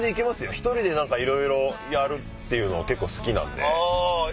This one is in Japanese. １人でいろいろやるっていうの結構好きなんで。